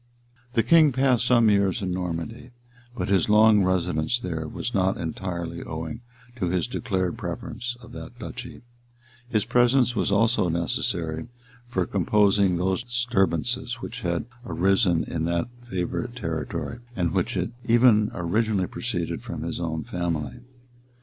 The king passed some years in Normandy; but his long residence there was not entirely owing to his declared preference of that duchy: his presence was also necessary for composing those disturbances which had arisen in that favorite territory, and which had even originally proceeded from his own family.